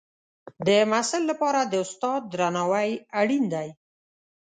د محصل لپاره د استاد درناوی اړین دی.